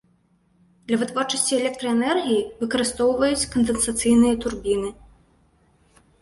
Для вытворчасці электраэнергіі выкарыстоўваюць кандэнсацыйная турбіны.